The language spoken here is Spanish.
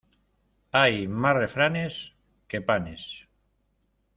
Hay más refranes que panes.